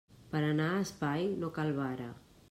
Per a anar a espai, no cal vara.